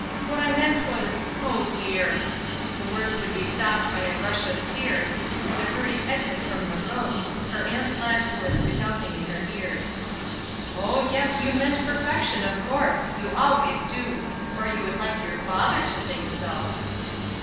What I meant was — dear!" The words would be stopped by a rush of tears, and a hur ried exit from the room, her aunt's last words sounding in her ears. ''Oh, yes, you meant perfection, of course; you always do, or you would hke your father to think so."